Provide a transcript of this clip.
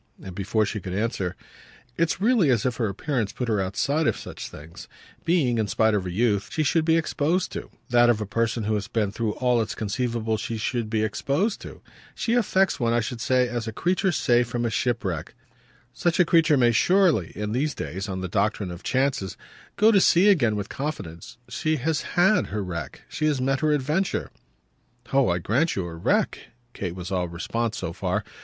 And before she could answer: "It's really as if her appearance put her outside of such things being, in spite of her youth, that of a person who has been through all it's conceivable she should be exposed to. She affects one, I should say, as a creature saved from a shipwreck. Such a creature may surely, in these days, on the doctrine of chances, go to sea again with confidence. She has HAD her wreck she has met her adventure." "Oh I grant you her wreck!" Kate was all response so far.